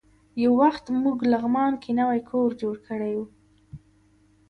یو وخت موږ لغمان کې نوی کور جوړ کړی و.